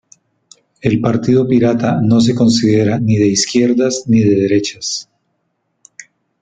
El Partido Pirata no se considera ni de izquierdas ni de derechas.